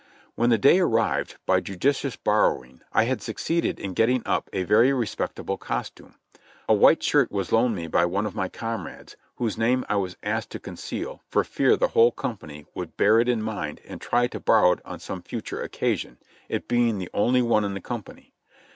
When the day arrived, by judicious borrowing I had succeeded in getting up a very respectable costume. A white shirt was loaned me by one of my comrades, whose name I was asked to conceal for fear the whole company would bear it in mind and try to borrow it on some future occasion, it being the only one in the company.